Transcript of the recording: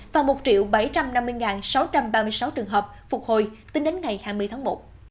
và một bảy trăm năm mươi sáu trăm ba mươi sáu trường hợp phục hồi tính đến ngày hai mươi tháng một